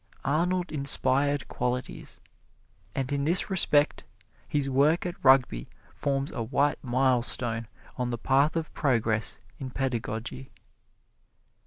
Arnold inspired qualities, and in this respect his work at Rugby forms a white milestone on the path of progress in pedagogy.